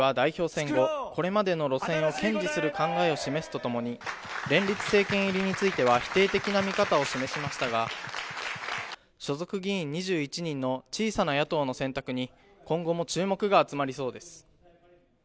戦後、これまでの路線を堅持する考えを示すとともに連立政権入りについては否定的な見方を示しましたが、所属議員２１人の小さな野党の選択に今後も注目が集まりそうです。